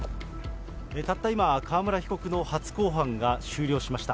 たった今、川村被告の初公判が終了しました。